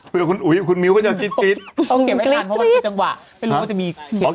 เผื่อคุณอุ๋ยคุณมิ้วก็จะกรีดกรีดต้องเก็บไม่ทันเพราะว่าจังหวะไม่รู้ว่าจะมีเก็บกัน